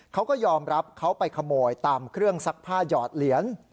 เขาก็ยอมรับเขาไปขโมยตามเครื่องซักผ้าหยอดเหรียญ